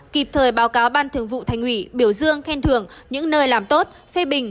kịp thời báo cáo ban thường vụ thành ủy biểu dương khen thưởng những nơi làm tốt phê bình